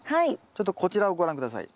ちょっとこちらをご覧下さい。